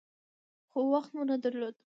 خو وخت مو نه درلود .